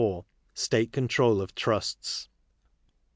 State Control ol Trusts.